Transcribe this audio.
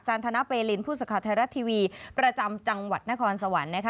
ธนเปลินผู้สื่อข่าวไทยรัฐทีวีประจำจังหวัดนครสวรรค์นะคะ